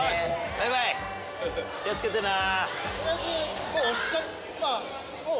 バイバイ気を付けてな。